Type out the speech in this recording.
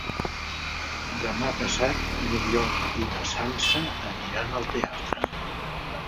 Demà passat n'Oriol i na Sança aniran al teatre.